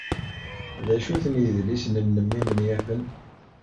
D acu-ten yidlisen-nnem imenyafen?